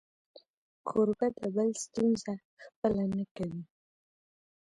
کوربه د بل ستونزه خپله نه کوي.